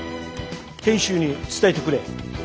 賢秀に伝えてくれ。